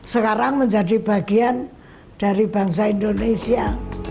sekarang menjadi bagian dari bangsa indonesia